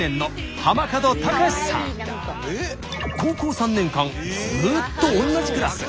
高校３年間ずっと同じクラス。